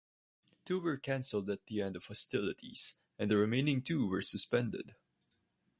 Two were cancelled at the end of hostilities, and the remaining two were suspended.